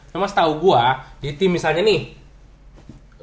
cuma setau gua di tim misalnya nih